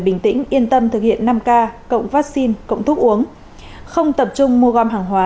bình tĩnh yên tâm thực hiện năm k cộng vaccine cộng thuốc uống không tập trung mua gom hàng hóa